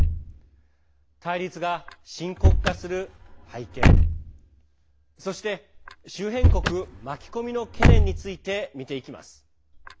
対立が深刻化する背景そして、周辺国巻き込みの懸念について見ていきます。